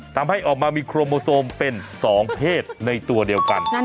ทำให้ออกมามีโครโมโซมเป็น๒เพศในตัวเดียวกัน